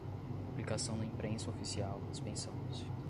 publicação na imprensa oficial, dispensando-se